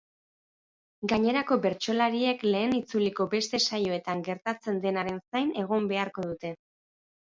Gainerako bertsolariek lehen itzuliko beste saioetan gertatzen denaren zain egon beharko dute.